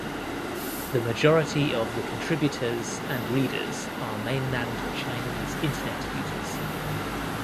The majority of the contributors and readers are mainland Chinese Internet users.